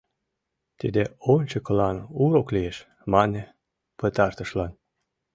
— Тиде ончыкылан урок лиеш, — мане пытартышлан.